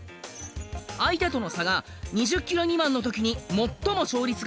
相手との差が２０キロ未満の時に最も勝率が高く。